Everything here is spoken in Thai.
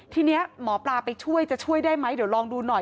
ทีนี้หมอปลาไปช่วยจะช่วยได้ไหมเดี๋ยวลองดูหน่อย